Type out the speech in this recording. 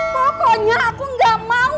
pokoknya aku gak mau